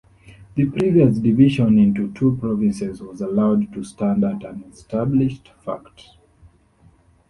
The previous division into two provinces was allowed to stand as an established fact.